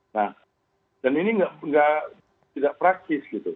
nah dan ini tidak praktis gitu